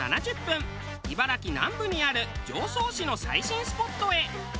茨城南部にある常総市の最新スポットへ。